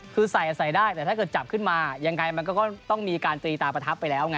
คือใส่ใส่ได้แต่ถ้าเกิดจับขึ้นมายังไงมันก็ต้องมีการตีตาประทับไปแล้วไง